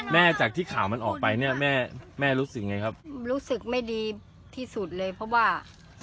จากที่ข่าวมันออกไปเนี่ยแม่แม่รู้สึกไงครับรู้สึกไม่ดีที่สุดเลยเพราะว่า